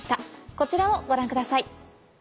こちらをご覧ください。